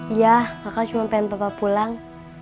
iya kakak cuma pengen bapak pulang